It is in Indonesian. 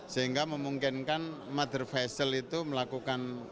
sehingga memungkinkan mother vessel itu melakukan